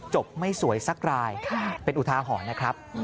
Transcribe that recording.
ไม่สวยสักรายเป็นอุทาหรณ์นะครับ